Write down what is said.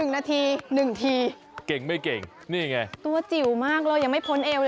๑นาที๑ที